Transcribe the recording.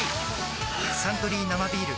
「サントリー生ビール」